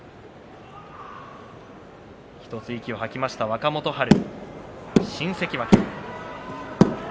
１つ息を吐きました、若元春新関脇。